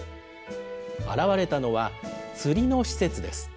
現れたのは、釣りの施設です。